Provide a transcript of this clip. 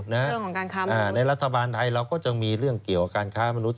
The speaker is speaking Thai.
เรื่องของการค้ามนุษย์ในรัฐบาลไทยเราก็จะมีเรื่องเกี่ยวกับการค้ามนุษย